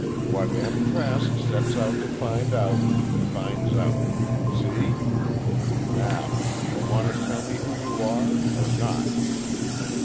What M. Trask sets out to find out, he finds out. See? Now, do you want to tell me who you are—or not?